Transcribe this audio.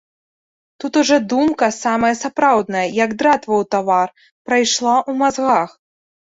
Тут ужо думка, самая сапраўдная, як дратва ў тавар, пайшла ў мазгах.